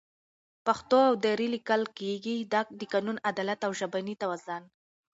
پښتو او دري لیکل کېږي، دا د قانون، عدالت او ژبني توازن